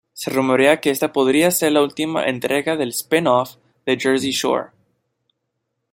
Se rumorea que esta podría ser la última entrega del Spin-Off de Jersey Shore